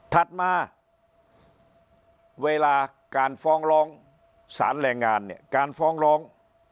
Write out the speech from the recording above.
ถัดมาเวลาการฟ้องร้องสารแรงงานเนี่ยการฟ้องร้อง